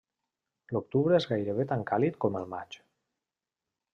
L'octubre és gairebé tan càlid com el maig.